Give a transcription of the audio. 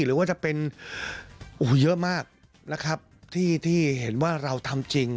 หรือว่าจะเป็นเยอะมากนะครับที่เห็นว่าเราทำจริง